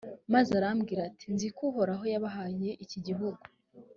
maze arababwira ati «nzi ko uhoraho yabahaye iki gihugu,